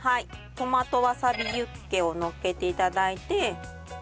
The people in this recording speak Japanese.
トマトわさびユッケをのっけて頂いて。